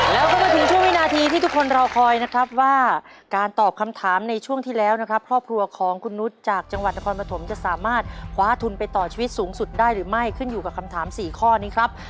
แล้วก็มาถึงช่วงวินาทีที่ทุกคนรอคอยนะครับว่าการตอบคำถามในช่วงที่แล้วนะครับครอบครัวของคุณนุษย์จากจังหวัดนครปฐมจะสามารถคว้าทุนไปต่อชีวิตสูงสุดได้หรือไม่ขึ้นอยู่กับคำถาม๔ข้อนี้ครับ